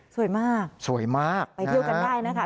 สวยมากสวยมากไปเที่ยวกันได้นะคะ